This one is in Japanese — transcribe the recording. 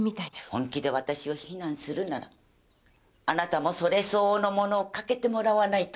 本気で私を非難するならあなたもそれ相応のものをかけてもらわないと。